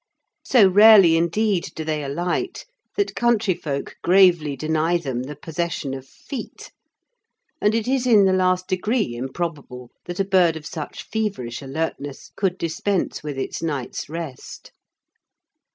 So rarely indeed do they alight that country folk gravely deny them the possession of feet, and it is in the last degree improbable that a bird of such feverish alertness could dispense with its night's rest.